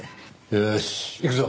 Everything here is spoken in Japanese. よし行くぞ。